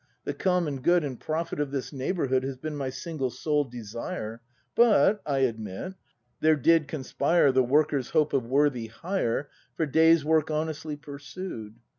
The common good And profit of this neighbourhood Has been my single, sole desire. But, I admit, there did conspire The worker's hope of worthy hire For day's work honestly pursued.